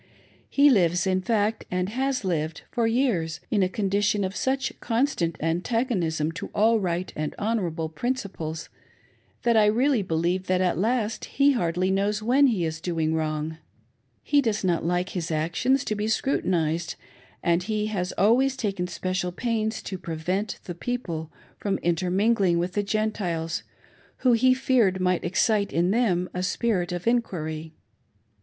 He lives, in fact, and has lived, for years, in a condition of such constant antagonism to all right and honorable prin ciples, that I really believe that at last he hardly knows ^vheft he is doing wrong. He does not like his actions to be scru tinized, and he has always taken special pains to prevent the people from intermingling with the Gentiles, who he feared might excite in them a spirit of inquiry.